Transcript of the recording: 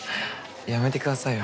やめてくださいよ